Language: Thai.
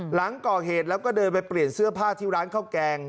หลังก่อเหตุแล้วก็เดินไปเปลี่ยนเสื้อผ้าที่ร้านข้าวแกง